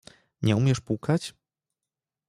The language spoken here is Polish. Nie umiesz pukać?